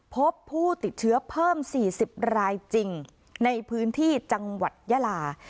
พบผู้ติดเชื้อเพิ่ม๔๐รายจริงในพื้นที่จังหวัดยาลา